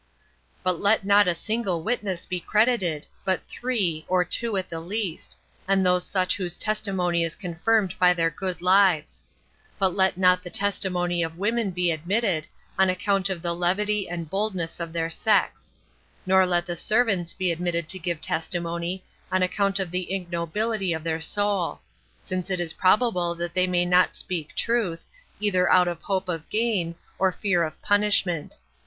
15. But let not a single witness be credited, but three, or two at the least, and those such whose testimony is confirmed by their good lives. But let not the testimony of women be admitted, on account of the levity and boldness of their sex 21 Nor let servants be admitted to give testimony, on account of the ignobility of their soul; since it is probable that they may not speak truth, either out of hope of gain, or fear of punishment.